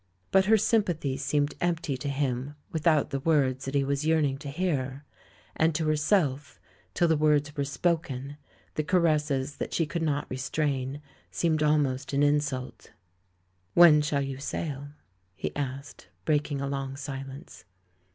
But her sympathy seemed empty to him without the words that he was yearning to hear; and to herself, till the words were spoken, the caresses that she could not restrain seemed almost an in sult. "When shall you sail?" he asked, breaking a long silence.